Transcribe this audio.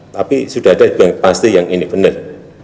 tapi sudah ada yang pasti yang ini benar